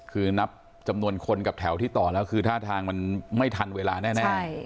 คือนับจำนวนคนกับแถวที่ต่อแล้วคือท่าทางมันไม่ทันเวลาแน่